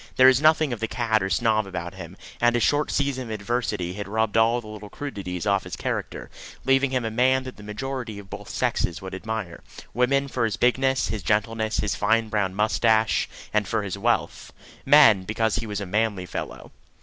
There was nothing of the cad or snob about him, and his short season of adversity had rubbed all the little crudities off his character, leaving him a man that the majority of both sexes would admire: women for his bigness, his gentleness, his fine brown moustache and for his wealth; men, because he was a manly fellow.